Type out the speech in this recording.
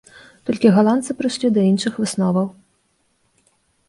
Толькі галандцы прыйшлі да іншых высноваў.